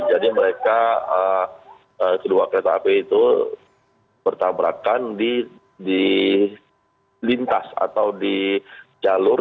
jadi mereka kedua kereta api itu bertabrakan di lintas atau di jalur